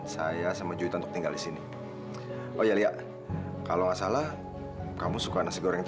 saya sama juidan untuk tinggal di sini oh ya lihat kalau nggak salah kamu suka nasi goreng